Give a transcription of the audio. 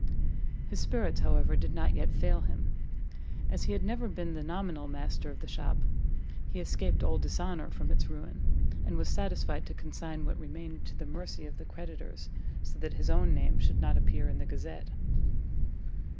His spirits, however, did not yet fail him; as he had never been the nominal master of the shop, he escaped all dishonour from its ruin, and was satisfied to consign what remained to the mercy of the creditors, so that his own name should not appear in the Gazette.